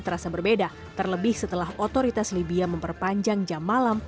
terasa berbeda terlebih setelah otoritas libya memperpanjang jam malam